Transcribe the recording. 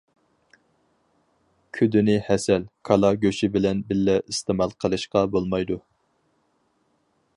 كۈدىنى ھەسەل، كالا گۆشى بىلەن بىللە ئىستېمال قىلىشقا بولمايدۇ.